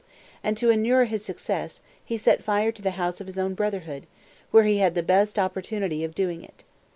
And to insure his success, he set fire to the house of his own brotherhood, where he had the best opportunity of doing it.